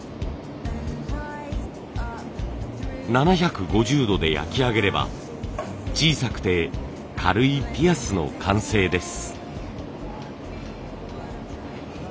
７５０度で焼き上げれば小さくて軽いピアスの完成です。